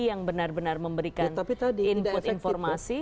yang benar benar memberikan input informasi